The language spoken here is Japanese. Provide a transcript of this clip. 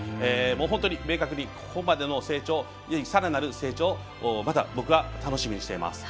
本当に明確にここまでの成長さらなる成長また僕は楽しみにしています。